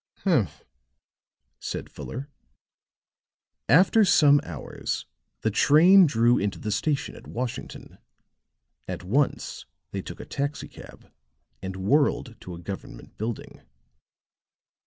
"Humph," said Fuller. After some hours the train drew into the station at Washington; at once they took a taxi cab and whirled to a government building.